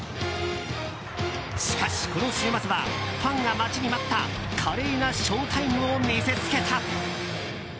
しかし、この週末はファンが待ちに待った華麗なショウタイムを見せつけた。